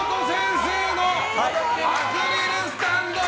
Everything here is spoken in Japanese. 私のアクリルスタンドを。